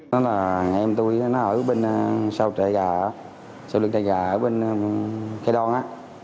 nó là em tôi nó ở bên sau trại gà sau lưng trại gà ở bên cây đoan á